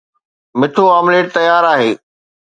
مٺو آمليٽ تيار آهي